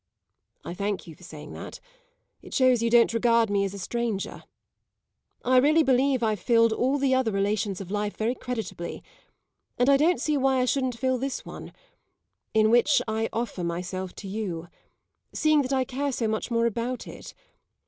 "I thank you for saying that; it shows you don't regard me as a stranger. I really believe I've filled all the other relations of life very creditably, and I don't see why I shouldn't fill this one in which I offer myself to you seeing that I care so much more about it.